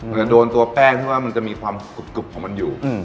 จะโดนตัวแป้งที่ว่ามันจะมีความกรุบของมันอยู่